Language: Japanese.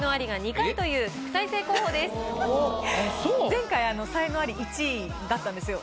前回才能アリ１位だったんですよ。